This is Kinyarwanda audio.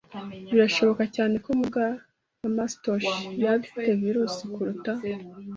Birashoboka cyane ko mudasobwa ya Macintosh yaba ifite virusi kuruta